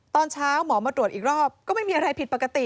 ตอนเช้าหมอมาตรวจอีกรอบก็ไม่มีอะไรผิดปกติ